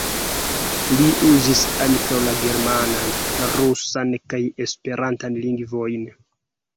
Li uzis ankaŭ la germanan, rusan kaj esperantan lingvojn.